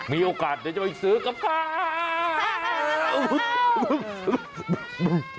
มีโอกาสเดี๋ยวจะไปซื้อกับข้าว